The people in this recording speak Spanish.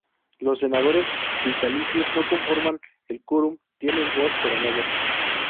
Los senadores vitalicios no conforman el quórum; tienen voz pero no voto.